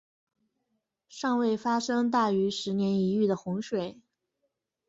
尚未发生大于十年一遇的洪水。